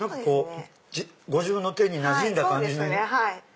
ご自分の手になじんだ感じに。